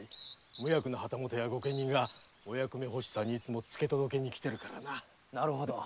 無役の旗本や御家人がお役目欲しさにいつもつけ届けに来ているからな。